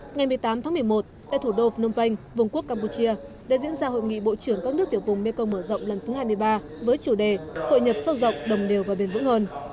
ngày một mươi tám tháng một mươi một tại thủ đô phnom penh vùng quốc campuchia đã diễn ra hội nghị bộ trưởng các nước tiểu vùng mekong mở rộng lần thứ hai mươi ba với chủ đề hội nhập sâu rộng đồng đều và bền vững hơn